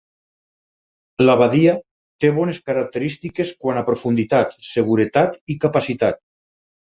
La badia té bones característiques quant a profunditat, seguretat i capacitat.